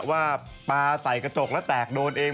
ว่าปลาใส่กระจกแล้วแตกโดนเอง